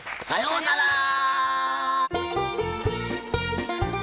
さようなら！